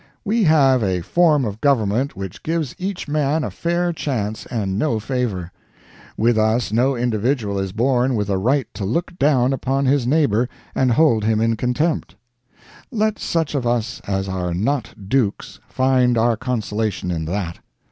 We have a form of government which gives each man a fair chance and no favor. With us no individual is born with a right to look down upon his neighbor and hold him in contempt. Let such of us as are not dukes find our consolation in that.